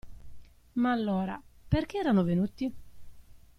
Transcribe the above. Ma allora perché erano venuti?